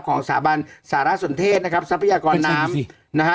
ของสาบานสารสนเทศนะครับทรัพยากรน้ำ